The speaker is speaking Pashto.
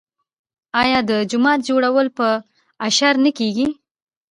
آیا د جومات جوړول په اشر نه کیږي؟